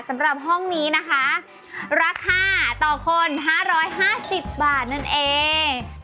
สำหรับห้องนี้นะคะราคาต่อคน๕๕๐บาทนั่นเอง